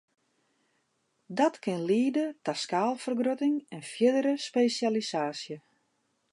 Dat kin liede ta skaalfergrutting en fierdere spesjalisaasje.